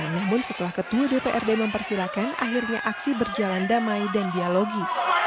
namun setelah ketua dprd mempersilahkan akhirnya aksi berjalan damai dan dialogi